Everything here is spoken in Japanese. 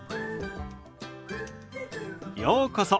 ようこそ。